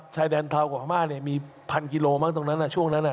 ชายแดนเทากับธรรมาศเนี่ยมีพันกิโลบาทตรงนั้นน่ะช่วงนั้นน่ะ